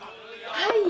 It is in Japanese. はい。